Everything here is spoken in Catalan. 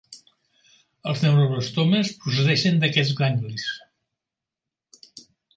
Els neuroblastomes procedeixen d'aquests ganglis.